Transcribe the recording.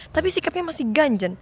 tapi sikapnya masih ganjen